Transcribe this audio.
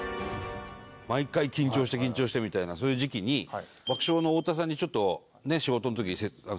毎回緊張して緊張してみたいなそういう時期に爆笑の太田さんにちょっとね仕事の時に質問したの。